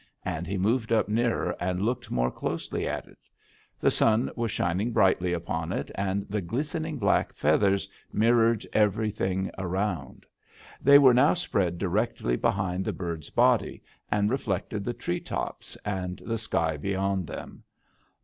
and he moved up nearer and looked more closely at it. The sun was shining brightly upon it, and the glistening black feathers mirrored everything around. They were now spread directly behind the bird's body, and reflected the tree tops, and the sky beyond them.